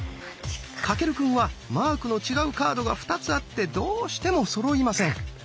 翔くんはマークの違うカードが２つあってどうしてもそろいません。